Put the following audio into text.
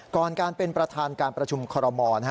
ก่อนการเป็นประธานการประชุมคอรมอล